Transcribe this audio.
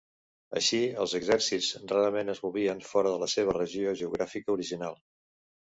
Així, els exèrcits rarament es movien fora de la seva regió geogràfica original.